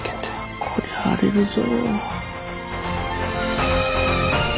こりゃ荒れるぞ。